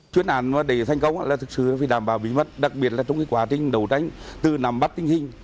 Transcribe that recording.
chuyên án để thành công là thực sự phải đảm bảo bí mật đặc biệt là trong quá trình đấu tranh từ nằm bắt tinh hình